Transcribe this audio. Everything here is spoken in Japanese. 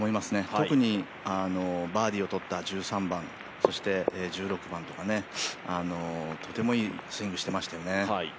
特にバーディーをとった１３番、１６番とか、とてもいいスイングをしていましたよね。